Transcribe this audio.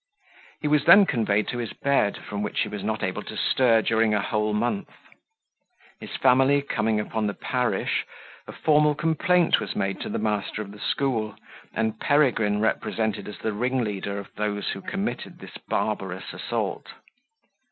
He was then conveyed to his bed, from which he was not able to stir during a whole month. His family coming upon the parish, a formal complaint was made to the master of the school, and Peregrine represented as the ringleader of those who committed this barbarous assault.